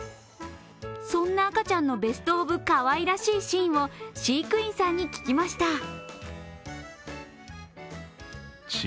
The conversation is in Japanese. そんな赤ちゃんのベストオブかわいらしいシーンを飼育員さんに聞きました。